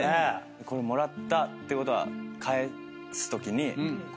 これもらったってことは返すときに。